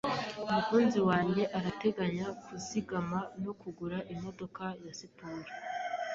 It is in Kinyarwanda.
Umukunzi wanjye arateganya kuzigama no kugura imodoka ya siporo.